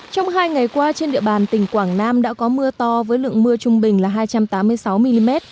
trong hai ngày qua trên địa bàn tỉnh quảng nam đã có mưa to với lượng mưa trung bình là hai trăm tám mươi sáu mm